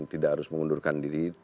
tidak harus mengundurkan diri